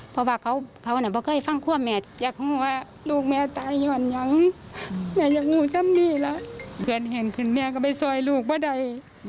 เพื่อนเห็นขึ้นแม่ก็ไปซ่อยลูกมาได้